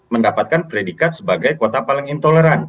mendapatkan predikat sebagai kota paling intoleran